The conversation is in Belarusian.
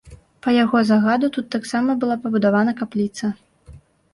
Па яго загаду тут таксама была пабудавана капліца.